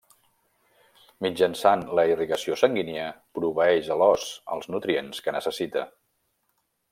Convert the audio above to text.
Mitjançant la irrigació sanguínia proveeix a l'os els nutrients que necessita.